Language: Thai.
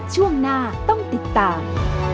ช่วงหน้าต้องติดตาม